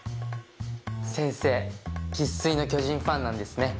先生生粋の巨人ファンなんですね。